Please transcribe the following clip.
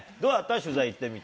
取材行ってみて。